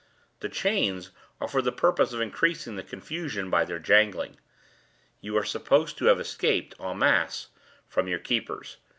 "The chains are for the purpose of increasing the confusion by their jangling. You are supposed to have escaped, en masse, from your keepers.